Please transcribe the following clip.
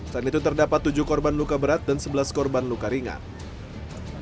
selain itu terdapat tujuh korban luka berat dan sebelas korban luka ringan